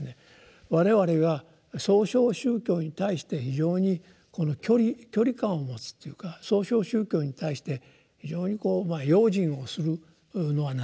我々が「創唱宗教」に対して非常に距離感を持つというか「創唱宗教」に対して非常にこう用心をするのはなぜなのかという。